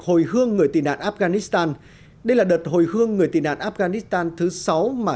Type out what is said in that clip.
hồi hương người tị nạn afghanistan đây là đợt hồi hương người tị nạn afghanistan thứ sáu mà